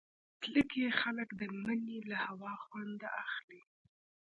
تله کې خلک د مني له هوا خوند اخلي.